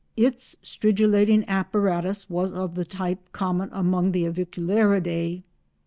Its stridulating apparatus was of the type common among the Aviculariidae.